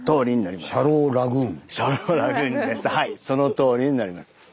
そのとおりになります。